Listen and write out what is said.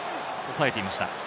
押さえていました。